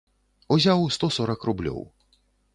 Узяў сто сорак рублёў.